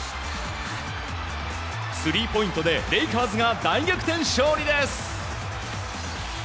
スリーポイントでレイカーズが大逆転勝利です！